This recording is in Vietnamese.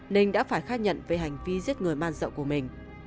nình đã phải khắc nhận về hành vi giết người man sợ của mình